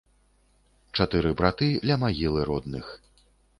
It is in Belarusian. Чатыры браты ля магілы родных.